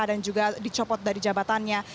dan juga dicopot dari jabatannya